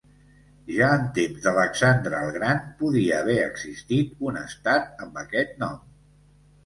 Ja en temps d'Alexandre el Gran podia haver existit un estat amb aquest nom.